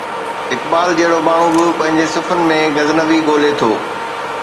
اقبال جهڙو ماڻهو به پنهنجي صفن ۾ غزنوي ڳولي ٿو.